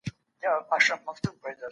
د ذهني فشار لپاره مشورې اړینې دي.